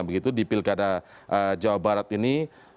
begitu di pilkada jawa barat ini